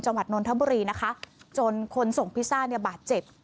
จังหวัดนนทบุรีนะคะจนคนส่งพิซซ่านิครับบาดเจ็บ